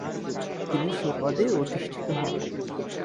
তিনি সে পদে অধিষ্ঠিত হন।